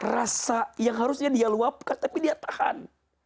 rasa yang harusnya dia luapkan tapi dia tahan